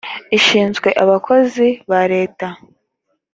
ishinzwe abakozi ba leta